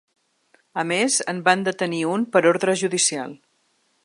A més, en van detenir un per ordre judicial.